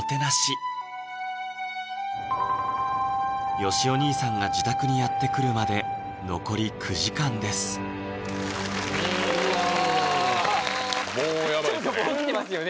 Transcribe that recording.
よしお兄さんが自宅にやって来るまで残り９時間ですうんもうヤバいですねもう来てますね